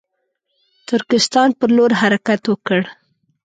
ترکستان پر لور حرکت وکړ.